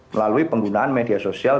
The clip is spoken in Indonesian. melalui penggunaan media sosial